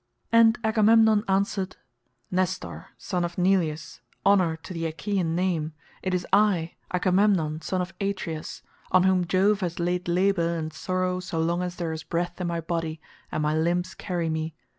And Agamemnon answered, "Nestor, son of Neleus, honour to the Achaean name, it is I, Agamemnon son of Atreus, on whom Jove has laid labour and sorrow so long as there is breath in my body and my limbs carry me.